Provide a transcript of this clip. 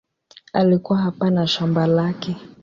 Alikuwa hapa na shamba lake.